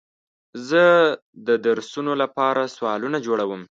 زه د درسونو لپاره سوالونه جوړوم.